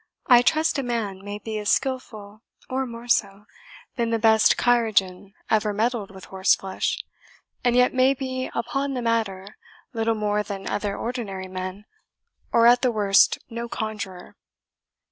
I trust a man may be as skilful, or more so, than the best chirurgeon ever meddled with horse flesh, and yet may be upon the matter little more than other ordinary men, or at the worst no conjurer."